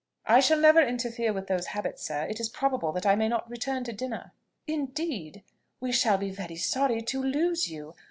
"I shall never interfere with those habits, sir. It is probable that I may not return to dinner." "Indeed! we shall be very sorry to lose you.